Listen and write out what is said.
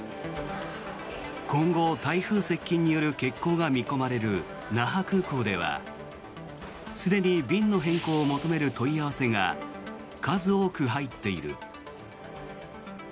今後、台風接近による欠航が見込まれる那覇空港ではすでに便の変更を求める問い合わせが数多く入っている。